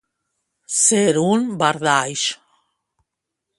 Ser un bardaix.